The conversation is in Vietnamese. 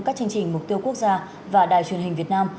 các chương trình mục tiêu quốc gia và đài truyền hình việt nam